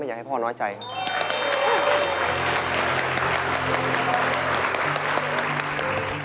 อยากให้พ่อน้อยใจครับ